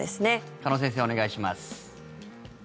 鹿野先生、お願いします。